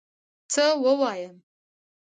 څه ووایم